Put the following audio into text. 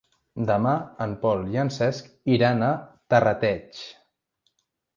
Demà en Pol i en Cesc iran a Terrateig.